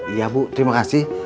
iya bu terima kasih